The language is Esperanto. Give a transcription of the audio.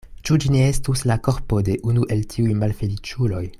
Ĉu ĝi ne estus la korpo de unu el tiuj malfeliĉuloj?